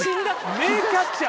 名キャッチャー。